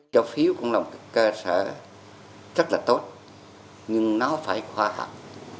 cho phiếu cũng là một cái cơ sở rất là tốt nhưng nó phải khoa học